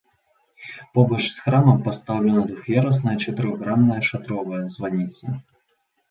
Побач з храмам пастаўлена двух'ярусная чатырохгранная шатровая званіца.